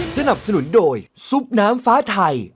สนับสนุนโดยซุปน้ำฟ้าไทย